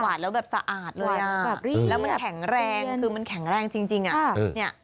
แล้วแบบสะอาดเลยอ่ะแล้วมันแข็งแรงคือมันแข็งแรงจริงอ่ะเนี่ย